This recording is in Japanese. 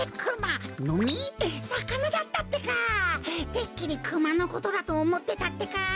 てっきりクマのことだとおもってたってか！